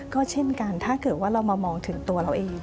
ก็เช่นกันถ้าเกิดว่าเรามามองถึงตัวเราเอง